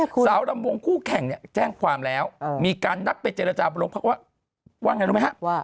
สาวลำบงคู่แข่งแจ้งความแล้วมีการนักเป็นเจรจาบรองภักดิ์ว่าไงรู้ไหมครับ